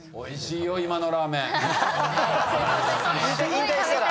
引退したら。